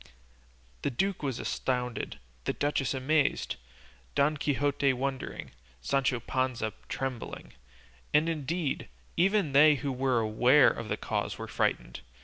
The duke was astounded, the duchess amazed, Don Quixote wondering, Sancho Panza trembling, and indeed, even they who were aware of the cause were frightened.